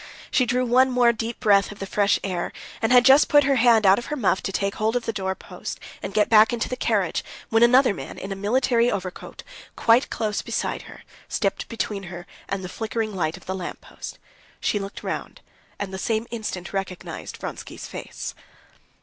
She drew one more deep breath of the fresh air, and had just put her hand out of her muff to take hold of the door post and get back into the carriage, when another man in a military overcoat, quite close beside her, stepped between her and the flickering light of the lamp post. She looked round, and the same instant recognized Vronsky's face.